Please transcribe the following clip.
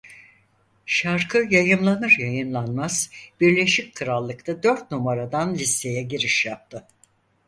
Şarkı yayımlanır yayımlanmaz Birleşik Krallık'ta dört numaradan listeye giriş yaptı.